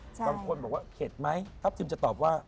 บางคนบอกว่าเข็ดไหมทัพทิมจะตอบว่า